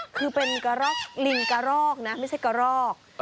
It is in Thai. คือเป็นกระรอกลิงกระรอกนะไม่ใช่กระรอก